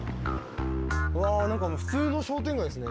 うわ何か普通の商店街ですね。